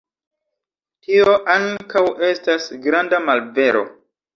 Tio ankaŭ estas granda malvero.